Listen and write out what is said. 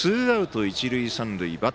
ツーアウト、一塁三塁。